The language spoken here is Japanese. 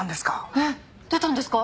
えっ出たんですか？